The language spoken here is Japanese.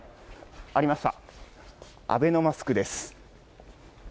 ありました、アベノマスクです。